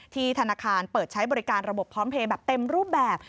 ธนาคารเปิดใช้บริการระบบพร้อมเพลย์แบบเต็มรูปแบบ